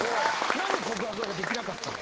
何で告白ができなかったの？